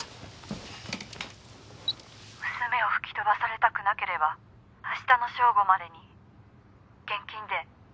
「娘を吹き飛ばされたくなければ明日の正午までに現金で１億円用意しろ」